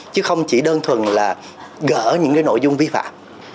chứ không chỉ đơn thuần là gỡ những nội dung vi phạm